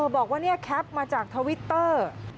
บอกว่าแคปมาจากทวิตเตอร์